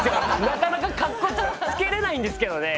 なかなかカッコつけれないんですけどね。